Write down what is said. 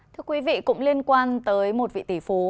thưa quý vị cũng liên quan tới một vị tỷ phú